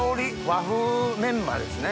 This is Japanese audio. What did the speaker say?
和風メンマですね。